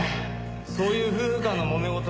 そういう夫婦間の揉め事は。